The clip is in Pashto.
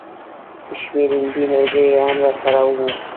شمېر هندي ملګري هم راسره وو.